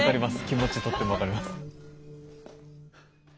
気持ちとっても分かります。